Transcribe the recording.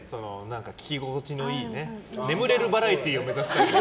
聞き心地のいい眠れるバラエティーを目指そう。